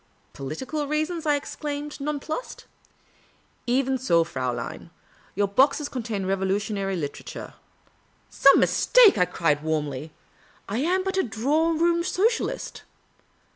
" Political reasons? " I exclaimed, nonplussed. " Even so, Fraulein. Your boxes contain revolutionary literature." " Some mistake !"[ cried, warmly. I am but a drawing room Socialist.